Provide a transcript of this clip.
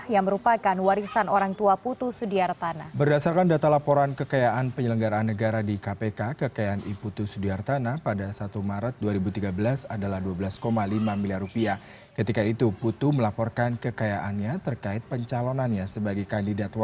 yang merupakan warisan orang tua putus sudiartana